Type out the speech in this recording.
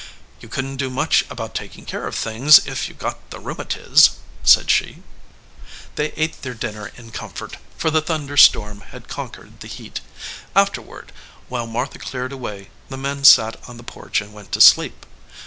"You couldn t do much about taking care of things if you got the rheumatiz," said she. 148 THE OUTSIDE OF THE HOUSE They ate their dinner in comfort, for the thun der storm had conquered the heat. Afterward, while Martha cleared away, the men sat on the porch and went to sleep.